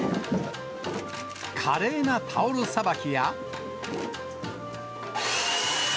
華麗なタオルさばきや。